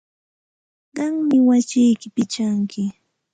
Qammi wasiyki pichanki.